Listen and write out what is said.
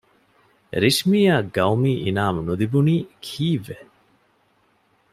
ރިޝްމީއަށް ގައުމީ އިނާމު ނުލިބުނީ ކީއްވެ؟